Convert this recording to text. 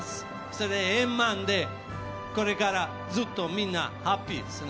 それで円満で、これからずっとみんなハッピーですね。